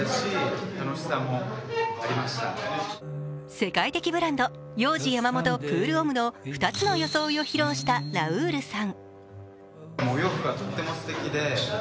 世界的ブランドヨウジヤマモトプールオムの２つの装いを披露したラウールさん